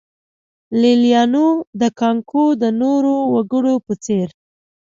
لېلیانو د کانګو د نورو وګړو په څېر.